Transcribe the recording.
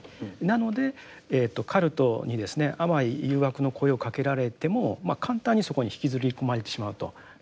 なのでカルトにですね甘い誘惑の声をかけられても簡単にそこに引きずり込まれてしまうと。